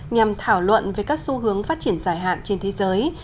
nhằm thảo luận về các xu hướng phát triển dài hạn trên thế giới